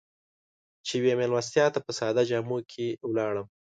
چې يوې مېلمستیا ته په ساده جامو کې لاړ.